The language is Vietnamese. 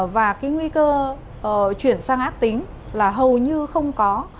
và cái nguy cơ chuyển sang át tính là hầu như không có